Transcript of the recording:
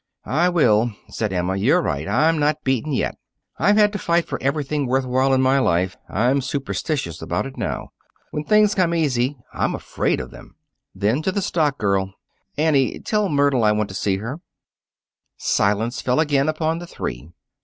"I will," said Emma. "You're right. I'm not beaten yet. I've had to fight for everything worth while in my life. I'm superstitious about it now. When things come easy I'm afraid of them." Then, to the stock girl, "Annie, tell Myrtle I want to see her." Silence fell again upon the three.